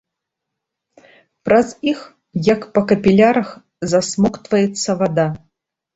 Праз іх, як па капілярах, засмоктваецца вада.